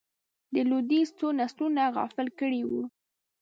د لوېدیځ څو نسلونه غافل کړي وو.